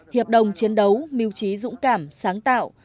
hiệp đồng chiến đấu miêu trí dũng cảm sáng tạo